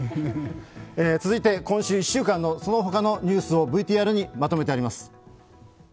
続いて今週１週間のその他のニュースをＶＴＲにまとめてあります。